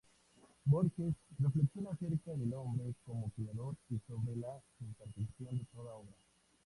Borges reflexiona acerca del hombre como creador y sobre la imperfección de toda obra.